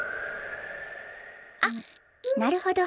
あっなるほど。